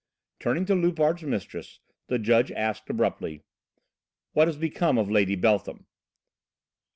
Turning to Loupart's mistress, the judge asked abruptly: "What has become of Lady Beltham?"